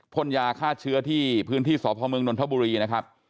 พ่นยาฆ่าเชื้อที่พื้นที่สพเมืองนนทบุรีนะครับ